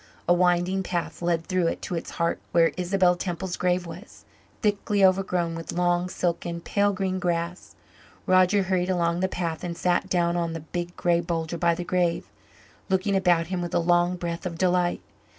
A winding path led through it to its heart where Isabel Temple's grave was, thickly overgrown with long, silken, pale green grass. Roger hurried along the path and sat down on the big grey boulder by the grave, looking about him with a long breath of delight.